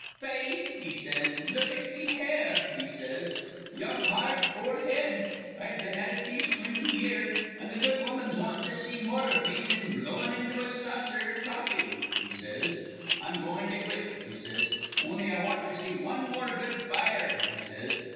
'Faith,' he says, 'look at me hair,' he says, 'young heart, ol' head. I've been at it these twinty year, an' th' good woman's wantin' to see more iv me thin blowin' into a saucer iv coffee,' he says. 'I'm goin' to quit,' he says, 'on'y I want to see wan more good fire,' he says.